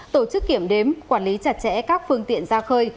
tổ chức kiểm đếm quản lý chặt chẽ các phương tiện ra khơi